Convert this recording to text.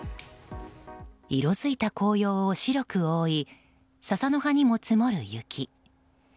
色付いた紅葉を白く覆い笹の葉にも積もる雪。